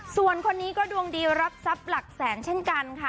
ส่วนคนนี้ก็ดวงดีรับทรัพย์หลักแสนเช่นกันค่ะ